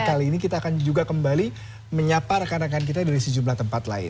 kali ini kita akan juga kembali menyapa rekan rekan kita dari sejumlah tempat lain